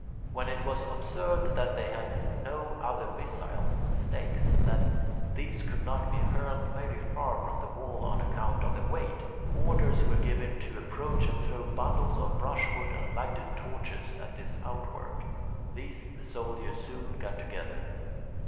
When it was observed that they had no other missiles than stakes, and that these could not be hurled very far from the wall on account of the weight, orders were given to approach and to throw bundles of brushwood and lighted torches at this outwork. These the soldiers soon got together.